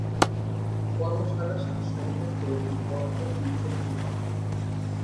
কর্মশালার সাথে সংযুক্ত একটি বদ্ধ টাউনশিপ আছে।